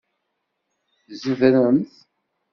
Tzedremt.